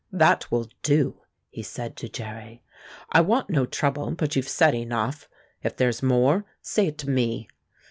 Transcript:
"That will do," he said to Jerry. "I want no trouble, but you've said enough. If there's more, say it to me."